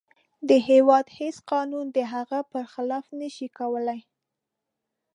د هیواد هیڅ قانون د هغه پر خلاف نشي کولی.